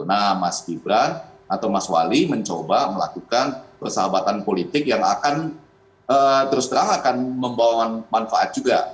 nah mas gibran atau mas wali mencoba melakukan persahabatan politik yang akan terus terang akan membawa manfaat juga